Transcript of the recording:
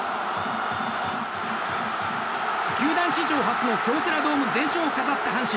球団史上初の京セラドーム全勝を飾った阪神。